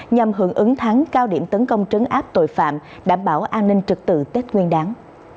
nhằm hưởng ứng tháng cao điểm tấn công trấn áp tội phạm đảm bảo an ninh trực tự tết nguyên đáng